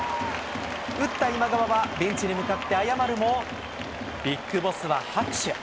打った今川はベンチに向かって謝るも、ＢＩＧＢＯＳＳは拍手。